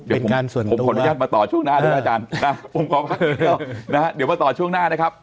เป็นการส่วนตัวผมขออนุญาตมาต่อช่วงหน้าด้วยอาจารย์นะเดี๋ยวมาต่อช่วงหน้านะครับ